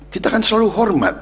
kita kan selalu hormat